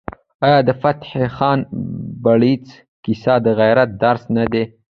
آیا د فتح خان بړیڅ کیسه د غیرت درس نه دی؟